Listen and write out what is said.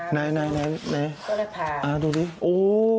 หันหลังให้น้ำตัวละผ่าดูสิโอ้โฮ